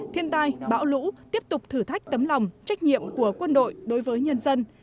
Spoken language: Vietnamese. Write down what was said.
thiên tai bão lũ tiếp tục thử thách tấm lòng trách nhiệm của quân đội đối với nhân dân